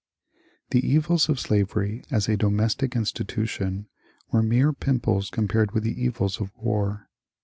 The evils of slavery as a domestic institution were mere pimples compared with the evils of war.